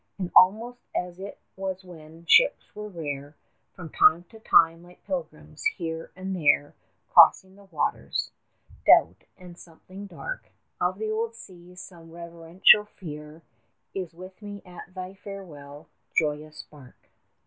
And, almost as it was when ships were rare, 10 (From time to time, like pilgrims, here and there Crossing the waters) doubt, and something dark, Of the old sea some reverential fear, Is with me at thy farewell, joyous bark!